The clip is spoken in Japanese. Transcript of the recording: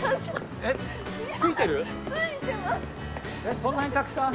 そんなにたくさんある？